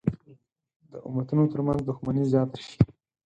د امتونو تر منځ دښمني زیاته شي.